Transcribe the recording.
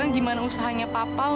baru sampai pak